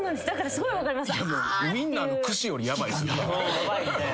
すごく分かります。